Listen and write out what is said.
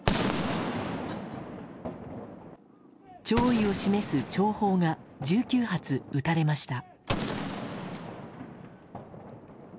弔意を示す弔砲が１９発撃たれました。